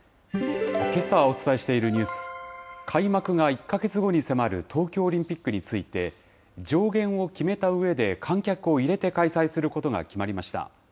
けさお伝えしているニュース、開幕が１か月後に迫る東京オリンピックについて、上限を決めたうえで観客を入れて開催することが決まりました。